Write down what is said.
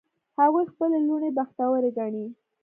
هغوی خپلې لوڼې بختوری ګڼي